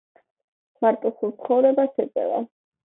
მარტოსულ ცხოვრებას ეწევა.